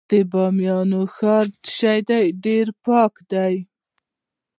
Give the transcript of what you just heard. د بامیان ښار ډیر پاک دی